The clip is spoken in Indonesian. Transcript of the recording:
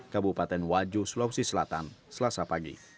kabupaten wajo sulawesi selatan selasa pagi